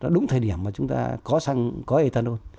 đúng thời điểm mà chúng ta có ethanol